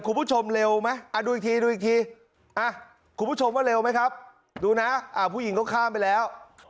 คุณผู้ชมเร็วไหมดูอีกทีดูอีกทีคุณผู้ชมว่าเร็วไหมครับดูนะผู้หญิงก็ข้ามไปแล้ว